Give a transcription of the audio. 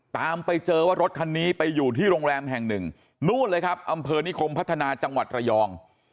ตามไปเจอว่ารถคันนี้ไปอยู่ที่โรงแรมแห่งหนึ่งนู่นเลยครับอำเภอนิคมพัฒนาจังหวัดระยอง